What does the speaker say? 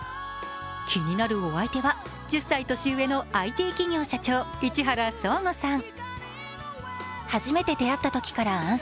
気になるお相手は、１０歳年上のＩＴ企業社長、市原創吾さん。